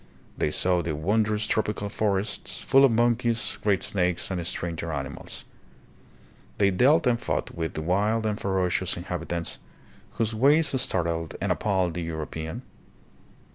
They saw the wondrous tropical forests, full of monkeys, great snakes, and stranger ani mals. They dealt and fought with the wild and ferocious inhabitants, whose ways startled and appalled the Euro pean.